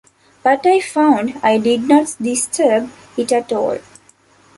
But I found I did not disturb it at all.